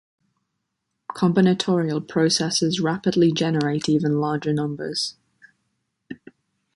Combinatorial processes rapidly generate even larger numbers.